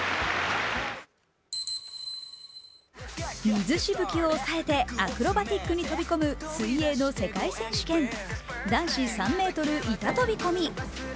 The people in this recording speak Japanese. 水しぶきを抑えてアクロバティックに飛び込む水泳の世界選手権男子３ｍ板飛び込み。